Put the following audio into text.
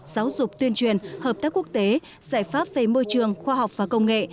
giáo dục tuyên truyền hợp tác quốc tế giải pháp về môi trường khoa học và công nghệ